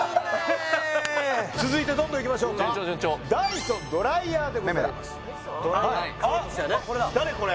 続いてどんどんいきましょうかＤｙｓｏｎドライヤーでございますあっ誰これ？